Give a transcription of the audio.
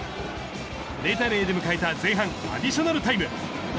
０対０で迎えた前半アディショナルタイム。